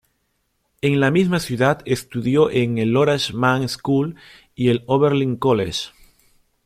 En la misma ciudad estudió en el Horace Mann School y el Oberlin College.